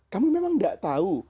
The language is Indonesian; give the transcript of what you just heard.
kamu memang gak tahu